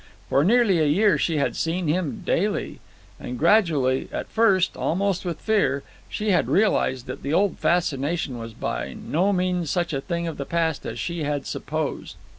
For nearly a year she had seen him daily; and gradually—at first almost with fear—she had realized that the old fascination was by no means such a thing of the past as she had supposed.